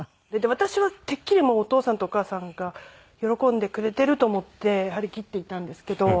私はてっきりもうお義父さんとお義母さんが喜んでくれていると思って張り切って行ったんですけど。